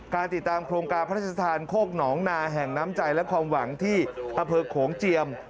ติดตามโครงการพระราชทานโคกหนองนาแห่งน้ำใจและความหวังที่อำเภอโขงเจียม